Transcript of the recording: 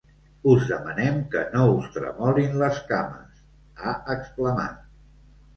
Us demanem que no us tremolin les cames!, ha exclamat.